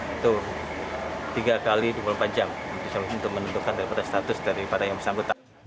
itu tiga kali di bulan panjang untuk menentukan status daripada yang bersambutan